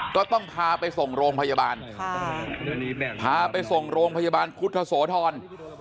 ก็ต้องพาไปส่งโรงพยาบาลพาไปส่งโรงพยาบาลพุทธโสธร